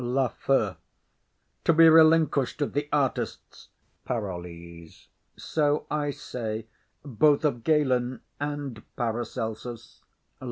LAFEW. To be relinquish'd of the artists,— PAROLLES. So I say; both of Galen and Paracelsus.